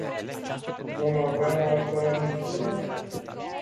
Vom avea o a doua lectură?